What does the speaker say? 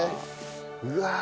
うわ。